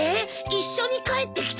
一緒に帰ってきたの？